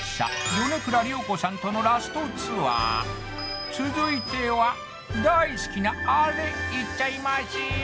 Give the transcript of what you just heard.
米倉涼子さんとのラストツアー続いては大好きなあれいっちゃいますよ